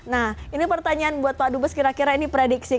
nah ini pertanyaan buat pak dubes kira kira ini prediksi